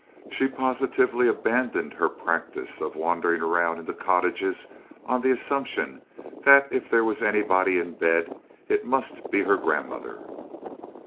She positively abandoned her practice of wandering around into cottages on the assumption that if there was anybody in bed it must be her grandmother.